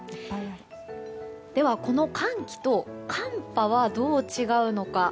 この寒気と寒波はどう違うのか。